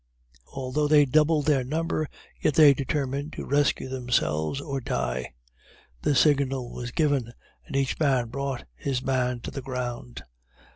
Although they doubled their number, yet they determined to rescue themselves or die. The signal was given, and each man brought his man to the ground.